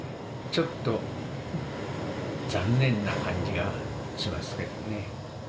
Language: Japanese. ちょっと残念な感じがしますけどね。